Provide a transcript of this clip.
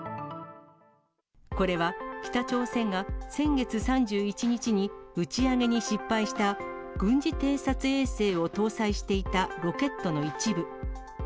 これは北朝鮮が先月３１日に打ち上げに失敗した、軍事偵察衛星を搭載していたロケットの一部。